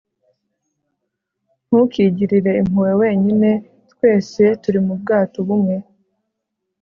ntukigirire impuhwe wenyine twese turi mubwato bumwe